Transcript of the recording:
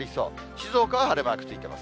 静岡は晴れマークついています。